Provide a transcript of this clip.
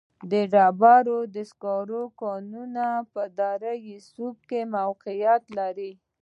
د ډبرو سکرو کانونه په دره صوف کې موقعیت لري.